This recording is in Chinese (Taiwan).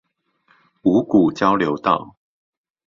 五股交流道